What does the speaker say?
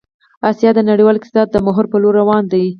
آسيا د نړيوال اقتصاد د محور په لور روان ده